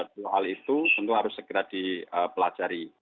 dua hal itu tentu harus segera dipelajari